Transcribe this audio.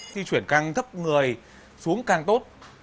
di chuyển càng thấp người xuống càng tốt